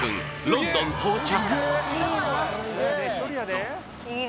ロンドン到着